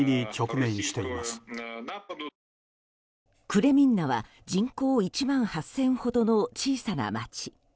クレミンナは人口１万８０００ほどの小さな街。